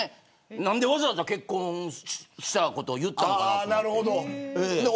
なんでわざわざ結婚したことを言ったのかなって。